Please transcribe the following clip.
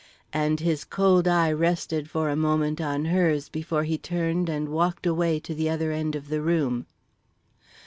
And his cold eye rested for a moment on hers before he turned and walked away to the other end of the room.